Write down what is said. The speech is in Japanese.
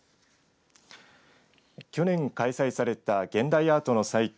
去年開催された現代アートの祭典